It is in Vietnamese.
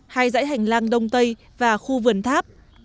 hai dãy hành lang đông tây và khu vườn tháp